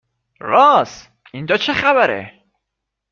رآس ، اینجا چه خبره ؟